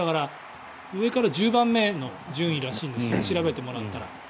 上から１０番目の順位らしいんです調べてもらったら。